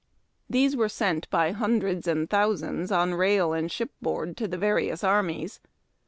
These were sent by hundreds and thousands on rail and shipboard to the various armies.